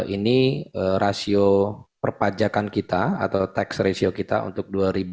ini rasio perpajakan kita atau tax ratio kita untuk dua ribu dua puluh